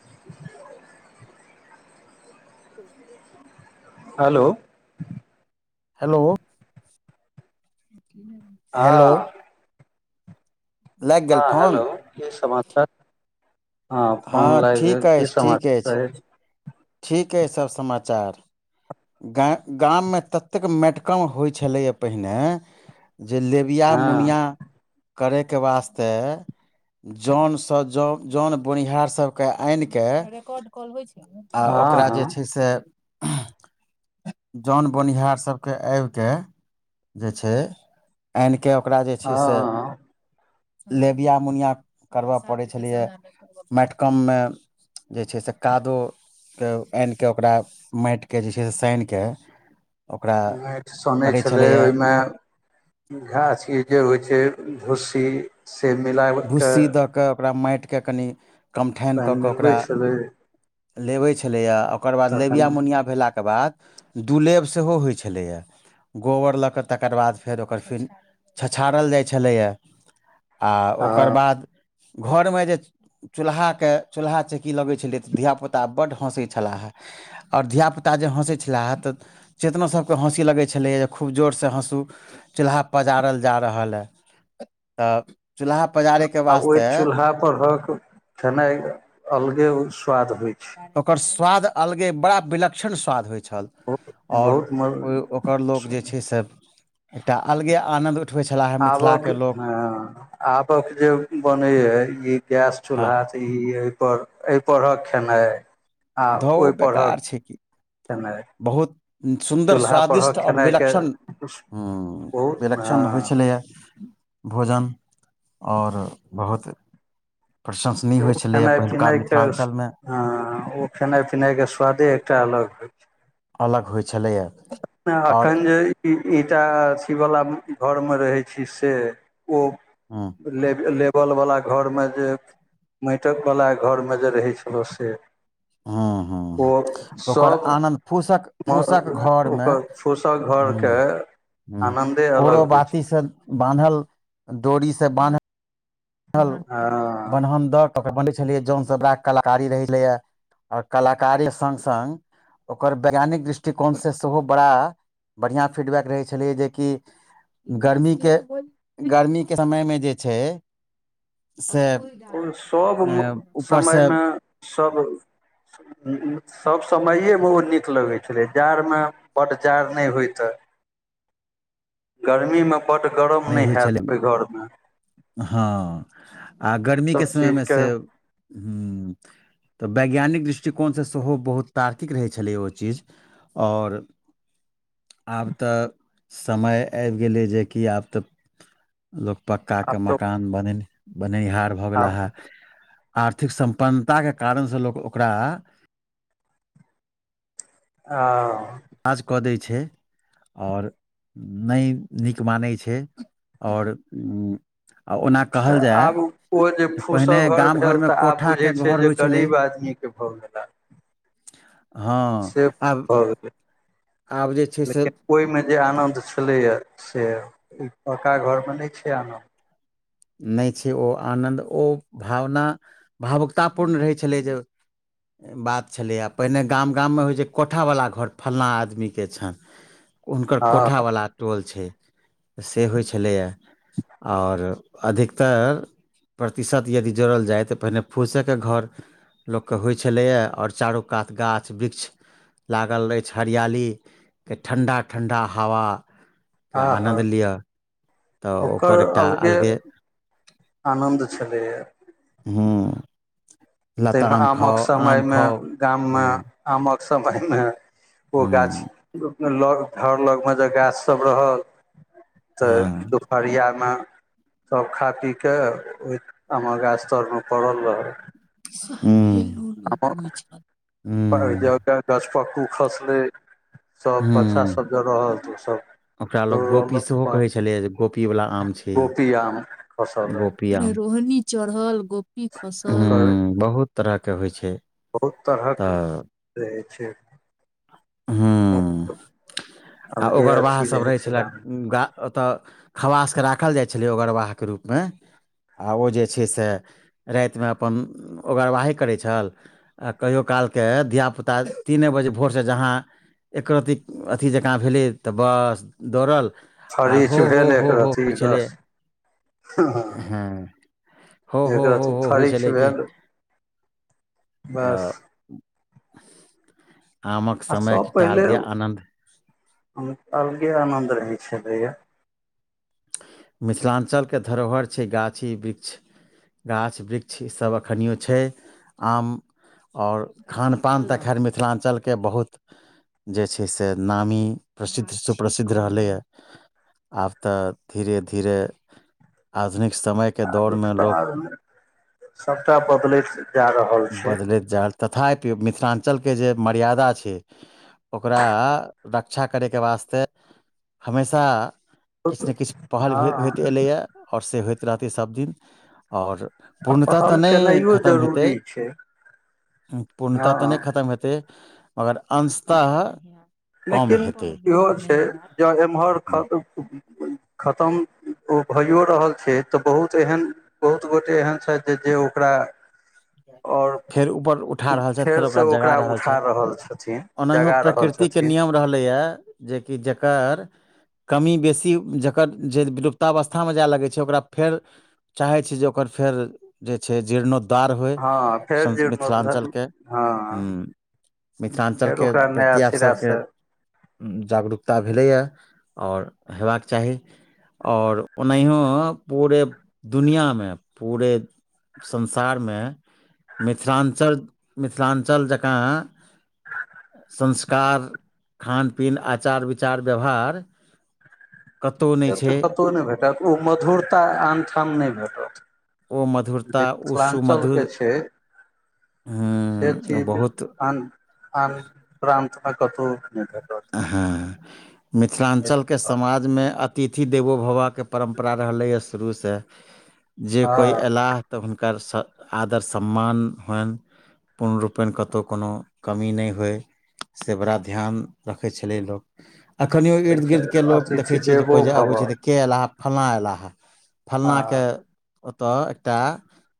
[inaudible] [inaudible] Hello hello hello हाँ लागि गेल हँ फोन हेलो की समाचार हँ फोन लागि गेल ठीक की अछि ठीक समाचार अछि रहैत छै ठीक अय सब समाचार गा गाममे ततेक मेटकम होइ छलैय पहिने जे लेब बियाह मुनिया हँ करैके वास्ते जन जन बोनिहार सबके आनि के आ हँ ओकरा हँ जे छै से जन बोनिहार सभके आबिकऽ जे छै आनि कऽ ओकरा जे छै से हँ लेबिया मुनिया करबय पड़ैत छलैए माटिकममे जे छै से कादो तऽ आनि कऽ ओकरा माटिकेँ जे छै से सानि कऽ ओकरा माटि सनै करै छलै छलैए ओहिमे घासके जे होइ छै भूस्सी से मिला कऽ भुस्सी दऽ कऽ ओकरा माटिकेँ कनि कमठानि तहन कऽ कऽ मिलबै ओकरा छलै लेबै छलैए ओकर बाद तखन लेबिया मुनिया भेलाके बाद दुलेब सेहो होइत छलैए गोबर लऽ कऽ तकर बाद फेर ओकर फेर छछाड़ल जाइ छलैए आ ओकर बाद घरमे जे चूल्हाके चूल्हा चकी लगैत छलै तऽ धियापुता बड्ड हँसैत छलाह हे आओर धियापुता जे हँसैत छलाहे तऽ चेतना सभकेँ हँसी लगै छलैए जे खूब जोरसँ हँसू चूल्हा पजारल जा रहल हइ तऽ चूल्हा पजारैके आ ओहि वास्ते चूल्हापरक खेनाइ अलगे स्वाद होइत छै ओकर स्वाद अलगे बड़ा विलक्षण स्वाद होइत छल आओर बहुत म ओ ओकर लोक जे छै से एकटा अलगे आनन्द उठबै छलाहे आबऽके मिथिलाके लोक हँ आबक जे बने ये ई गैस हँ चूल्हा तऽ ई पर बनि कऽ परक खेनाइ आ धौ ओहि पढ़क बेकार छै की खेनाइ बहुत सुन्दर चूल्हा स्वादिष्ट परहक आओर खेनाइके विलक्षण ह बहुत विलक्षण होइ हँ छलैए भोजन आओर बहुत प्रशंसनीय होइ छलैए पहिलुका मिथिलाञ्चलमे ह ओ खेनाइ पिनाय के स्वादे एकटा अलग ह अलग होइ छलैए आओर एखन जे ई ईटा अथीवला घरमे रहै छी से ओ हँ लेबल वाला घर में जे माटिकवला घरमे जे रहै छलऽ से ह ह ओ ओकर सभ आनन्द फूसक फूसक घर पर मे ओकर फूसक घरके आनन्दे कोरो अलग होइ बाती छै बान्हल डोरी से बान्हल बानहल हँ बन्हधन दऽ कऽ ओ बनेै छलियै जोन सब ब कलाकारी रहै छलैय आओर कलाकारी संग संग ओकर वैज्ञानिक दृष्टिकोणसँ सेहो बड़ा बढ़िआँ फीडबैक रहै छलै जेकि गर्मीके गर्मीके समयमे जे छै से ओ सब अ ऊपरसँ समयमे सब सभ समैए बहुत नीक लगैत छलै जाड़मे ब्ड जाड़ नहि होइत तऽ गर्मीमे बड् गरम नहि होइ छलै हैत ओहि घरमे हँ आ गर्मीके ईसभ समयमे चीजके से ह तऽ वैज्ञानिक दृष्टिकोणसँ सेहो बहुत तार्किक रहै छलै ओ चीज आओर आब तऽ समय आबि गेलै जेकि आब तऽ लोक आब पक्काके तऽ मकान बने बनैहार भऽ गेला आब हे आर्थिक सम्पन्नताके कारणसे लोक ओकरा आ काज कऽ दै छै आओर नइ नीक मानै छै आओर आ ओना त कहल जाय आब ओ जे तऽ पहिने फूसक घर गाम भेल घरमे तऽ आब कोठाके बुझै छै घर होइ जे छलै गरीब आदमी के घर भेलाऽ हँ आब भऽ आब जे छै से ओइमे जे आनन्द छलैय से पका घरमे नहि छै आनन्द नइ छै ओ आनन्द ओ भावना भावुकताापूर्ण रहै छलै जे बात छलै पहिने गाम गाममे होइ छै कोठावला घर फलाँ आदमीके छनि [inaudible] हुनकर हँ कोथावला टोल छै से होइ छलैए आओर अधिकतर प्रतिशत यदि जोड़ल जाय तऽ पहिने फूसेके घर लोकके होइ छलैए आओर चारू कात गाछ वृक्ष लागल अछि हरिियालीके ठण्डा ठण्डा हवा के आह आनन्द लिअ ओकर अलगे आनन्द छलैएा हूं तइमे आमक आम समयमे खाउ गाममे हुँ आमक समयमे ओ गाछ हुँ लग घर लग मे जे गाछ सब रहल हँ तऽ अरियामे सब खा पीकेऽ ओइ आम गाछ्तरमे पड़ल रहल आमक हूं जे हूं गछपक्कू खसलै सब हुँ बच्चासभ जे रहल तऽ ओसभ ओकरा लोग गोपी सेहो कहै छलै जे गोपी वाला आम छै गोपी आम खसल रहै गोप पीआम रोहनी चढ़ल गोपी खसल ओकर बहुत तरह के होइ छै बहुत तरहक तऽ रहै छै हुँ आ अलगे ओगरवाह अथी सभ रहै छै छला गा ओतय खवासके राखल जाइ छलै ओगरवाहके रूपमे आ ओ जे छै से रातिमे अपन ओगरवाही करै छल आ कहियो काल के धिया पुता तीने बजे भोर से जहां एको रती अथी जे काँ भेलै तऽ बस दौड़ल आर फरिच हो हो भेले हो हो एकरत्ति होइ छलै बस ह हँ हो हो हो एकरत्ति हो होइ फड़िछ छलै कि भेल बस तऽ आमक आ समय सब के एकटा पहिले अलगे आनन्द अलगे आनद रहै छलय या मिथिलाञ्चलके धरोहर छै गाछी वृक्ष गाछ वृक्ष ईसभ एखनिओ छै आम आओर खानपान तऽ खैर मिथिलाञ्चलके बहुत जे छै से नामी प्रसिद्ध सुप्रसिद्ध रहलैए आब तऽ धीरे धीरे आधुनिक समय आब सभटा बदलैत जा रहल छै बदलैत जाय, तथापि मिथिलांचलक जे मर्यादा छै ओकरा रक्षा करयके वास्ते हमेशा किछु नहि किछु पहिने हँ सेहो होइत एलैए आओर से सभदिन होइत रहतै। आ पूर्णतः पहल तऽ नइ केनाइयो खतम हेतै जरूरी छै पूर्णतः हँ तऽ नहि खतम हेतै मगर अंशतः कम लेकिन हेतै इहो छै जँ एमहर ख खतम ओ भइयओ रहल छै त बहुत एहन बहुत गोटे एहन छथि जे ओकरा ओर फेर ऊपर उठा रहल छथि फेर फेरसँ जगा ओकरा छथि उठा रहल छथिन ओनाहियो जगा रहल प्रकृति छथिन। के नियम रहलए जेकि जेकर कमी बेसी जे किछु विलुप्तावस्थामे जाय लगैत छै, ओकरा फेर चाहैत छी जे ओकर फेरसँ जीर्णोद्धार हो। हँ फेर समस जीर्णोद्धार मिथिलांचल के हँ मिथिलांचल फेर के ओकरा नया प्रतियास सिरासँ सभके से जागरूकता भेलैए आओर हयबाक चाही आओर ओनाहिओ पूरे दुनियाँ मे पूरे संसारमे मिथिलांचल मिथिलांचल जकाँ संस्कार खान पीन आचार विचार व्यवहार कतहु नहि इए छै तऽ कतहु नहि भेटत ओ मधुरता आनठाम नहि भेटत ओ मधुरता जे ओ मिथिलांचल सुमधुर के छै एक हँ चीज बहुत आन आन अन्तमे कतौ नहि भेटत [unintelligible] हँ मिथिलांचल के समाजमे अ तिथि देवो भवबाके परम्परा रहलैए शुरूसँ जे कोई हँ अयलाह त हुनकर सँ आदर सम्मान होइन पूर्णरूपेण कतहु कोनो कमी नहि होइ, से पर बहुत ध्यान देल जाइत अछि। रखैत छलै लोक, एखनियो इर्द गिर्दक लोक अतिथि देखैत छी जे कोइ देवो जे भव आबैत छै तऽ के एलै हे, फलाना एलै हे, आ फलाना के ओतऽ एकटा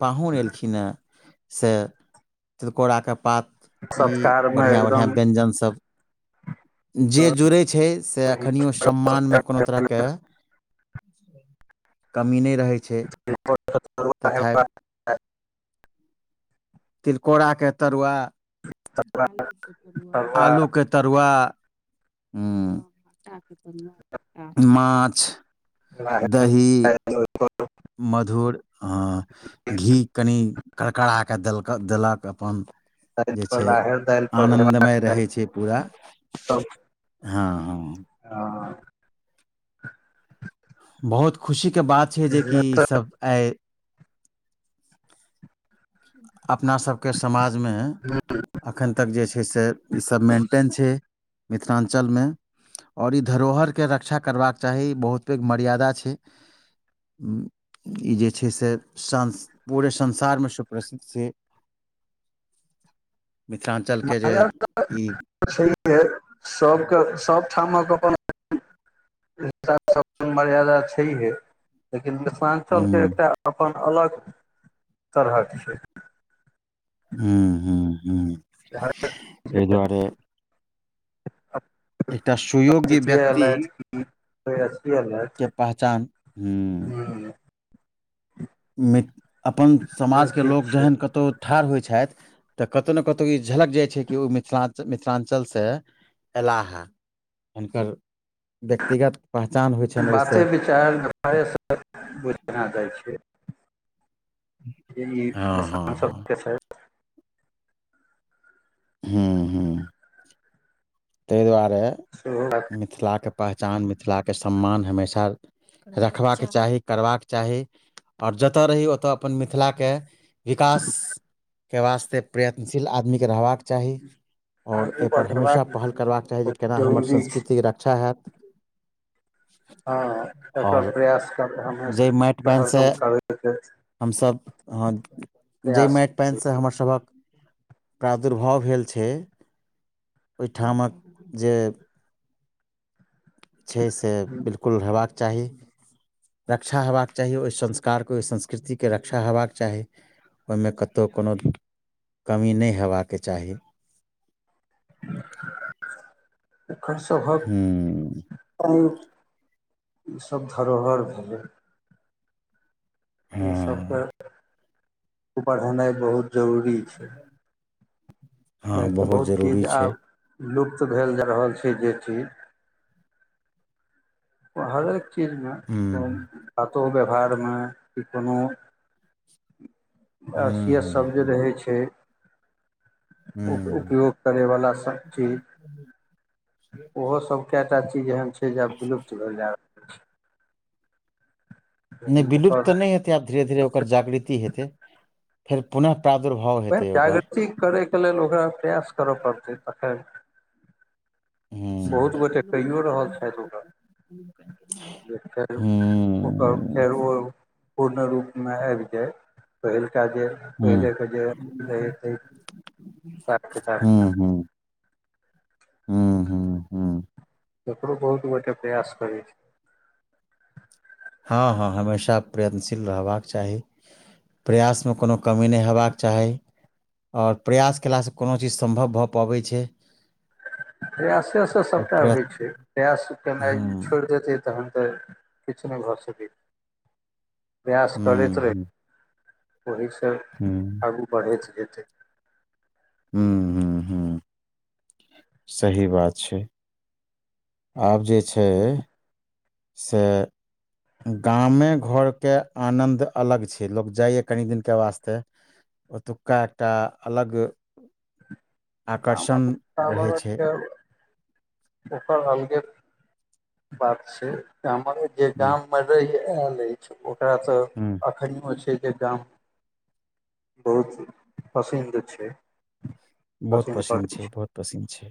पाहुन एलखिन हँ से तिलकोराके पात ई सत्कारमे बढ़िया बढ़िया एकदम व्यंजन सभ जे जुड़ै छै से अखनियो सम्मानमे कोनो तरहके कमी न रहे छै। तथा तिलकोराके तरुआ। राहैर आलुक तरुआ माछ दही मधुर हँ घी कनि करकरा क देलका देलक अपन जे छै। दालि पर हेबाक आनन्दमय चाही रहै छै। पूरा हँ हँ आ बहुत खुशीके बात छै। जेकि पहिले तऽ ईसभ आइ अपनासभके समाजमे एखन तक जे छै। से ईसब मेन्टेन छै। मिथिलांचलमे ओर ई धरोहर के रक्षा करबाक चाही ई बहुत मर्यादा छै। ई जे छै से तऽ संसारभरिमे एहन अछि। प्रसिद्ध छै। मिथिलांचलके जे ई सह हइ सभके सभठामक अपन [unintelligible] सभ मर्यादा छै हे लेकिन मिथिलांचलके हूँ एकटा अपन अलग तरहके छै हू हू हू ह एहि दुआरे एकटा सुयोग्य अतिथि एल व्यक्ति की अथी एल के पहचान हं मि अपन से समाजके ठीक लोक छै जहन कतहु ठार होइ छै तऽ कतो ने कतो ई झलक जाइ छै कि ओ मिथिलांच मिथिलांचलसँ अयलाह हें हुनकर व्यक्तिगत पहचान होइ छनि ओहिसँ च दुआरेसँ बुझना जाइ छै हँ हँ सान हँ सब [unintelligible] हूं हूं ताहि दुआरे सेहो मिथिलाके पहचान मिथिलाके सम्मान हमेशा रखबाक चाही करबाक चाही आओर जतय रही ओतय अपन मिथिलाके विकासके वास्ते प्रयत्नशील आदमीकेँ रहबाक चाही और आगू एहिपर बढ़ेबाक हमेशा पहल करबाक चाही जे केना हमर जरूरी छै संस्कृतिक रक्षा हैत हँ एकर आओर प्रयास कर कऽ हमे जाहि माटि पानिसँ हरदम करबैके हमसभ हँ जहिमे पानिसँ हमरसभक प्रादुर्भाव भेल छै ठां हमर जे छै से बिलकुल हेबाक चाही रक्षा हेबाक चाही ओहि संस्कारके ओहि संस्कृतिके रक्षा हेबाक चाही ओहिमे कतहु कोनो कमी नहि हेबाक चाही एकर सभक हूँ प ईसभ धरोहर भेलै ई सबके हँ उपर होनाइ बहुत जरूरी छै हँ किएकि तऽ बहुत जरूरी चीज छै आब लुप्त भेल जा रहल छै जे चीज हरेक चीजमे हूँ बातो व्यवहारमे कि कोनो हूँ हूँ असियतसभ जे हूँ रहै छै उ हूँ उपयोग करैवला सब चीज ओहो सब कएटा चीज एहन छै जे आब विलुप्त भेल जाय नहि लेकिन विलुप्त त न नहि ओकर हेते आब धीरे धीरे ओकर जागृति हेते फेर पुनः प्रादुर्भाव हे जागृति करैके लेल ओकरा प्रयास करऽ पड़तै तऽ फेर बहुत हूँ गोटे कइओ रहल छथि ओकरा जे हूँ ओर हूँ फेर ओ पूर्ण रूपमे आबि जाइ पहिलका जे हूँ पहिले के जे हिसाब हूँ किताबमे हूँ हूँ हूँ तकरो बहुत गोटे प्रयास करै छै हँ हँ हमेशा प्रयत्नशील रहबाक चाही प्रयासमे कोनो कमी नहि हेबाक चाही आओर प्रयास कयलासँ कोनो चीज सम्भव भऽ पबै छै प्रयासेसँ आओर सभटा प्र होइ छै प्रयास केनाइ हूँ छोड़ि देतै तहन तऽ किछु नहि भऽ सकै प्रयास हूँ करैत हूँ रहै ओहिसँ हूँ आगू बढ़ैत जेतै हूं हूं हूं सही बात छै आब जे छै से गामे घरके आनन्द अलग छै लोक जाइए कनि दिनके वास्ते ओतुका एकटा अलग गामक आकर्षण रहै छै वातावरणके ओकर अलगे बात छै हमर जे हूँ गाम मे रहि आयल अछि ओकरा तऽ हूँ एखनओ छै जे गाम बहुत पसिन्द छै बहुत पसिन्न छै बहुत पसिन्न छै